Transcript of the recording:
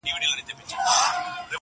څو دوکانه څه رختونه څه مالونه!.